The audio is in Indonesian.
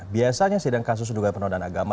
biasanya sidang kasus undugai penuh dan agama